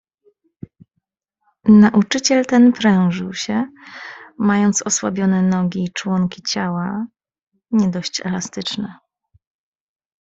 "Nauczyciel ten prężył się, mając osłabione nogi i członki ciała nie dość elastyczne."